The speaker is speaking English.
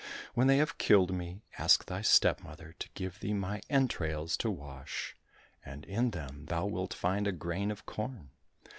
When they have killed me, ask thy stepmother to give thee my entrails to wash, and in them thou wilt find a grain of corn.